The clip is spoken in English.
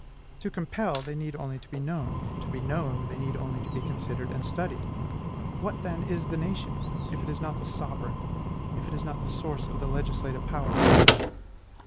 To compel, they need only to be known; to be known, they need only to be considered and studied. What, then, is the nation, if it is not the sovereign, if it is not the source of the legislative power?